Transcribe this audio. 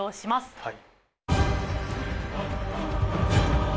はい。